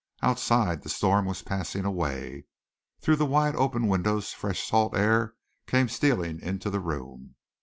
Outside, the storm was passing away. Through the wide open windows fresh salt air came stealing into the room.